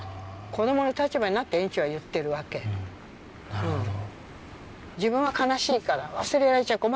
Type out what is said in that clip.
なるほど。